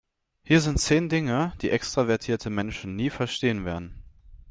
Hier sind zehn Dinge, die extravertierte Menschen nie verstehen werden.